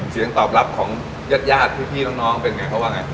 เสียงตอบรับของญาติพี่น้องเป็นไงเขาว่าไง